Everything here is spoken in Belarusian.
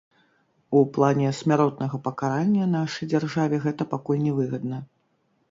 У плане смяротнага пакарання, нашай дзяржаве гэта пакуль нявыгадна.